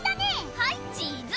はいチーズ！